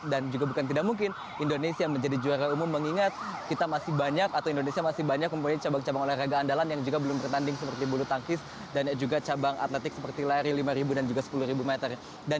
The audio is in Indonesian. dan juga bukan tidak mungkin indonesia menjadi juara umum mengingat kita masih banyak atau indonesia masih banyak mempunyai cabang cabang olahraga anda